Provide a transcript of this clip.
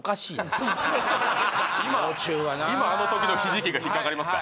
もう中はなあ今あの時のひじきが引っかかりますか？